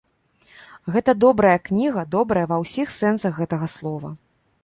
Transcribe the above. Гэта добрая кніга, добрая ва ўсіх сэнсах гэтага слова.